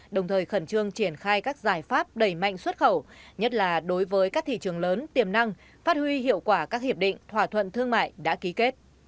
đồng thời khẩn trương triển khai các giải pháp đẩy mạnh xuất khẩu nhất là đối với các thị trường lớn tiềm năng phát huy hiệu quả các hiệp định thỏa thuận thương mại đã ký kết